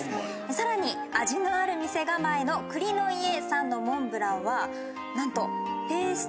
さらに味のある店構えの「栗のいえ」さんのモンブランはなんと。